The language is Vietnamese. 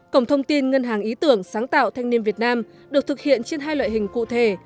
cổng thông tin ngân hàng ý tưởng sáng tạo thanh niên việt nam được thực hiện trên hai loại hình cụ thể